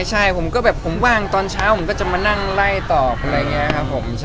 ใช่ผมแบบว่างตอนเช้าก็จะมานั่งไล่ตอบ